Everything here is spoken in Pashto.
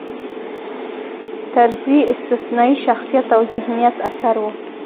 طرزی استثنايي شخصیت او ذهینت اثر و.